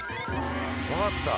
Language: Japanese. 分かった。